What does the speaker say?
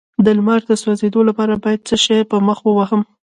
د لمر د سوځیدو لپاره باید څه شی په مخ ووهم؟